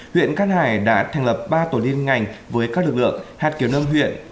huyện cát hải đã thành lập ba tổ liên ngành với các lực lượng hạt kiều nâm huyện